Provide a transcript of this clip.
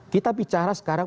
kita bicara sekarang